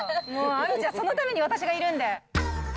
亜美ちゃん、そのために私がいるんで。